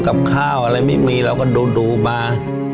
กับข้าวอะไรไม่มีเราก็ดูมา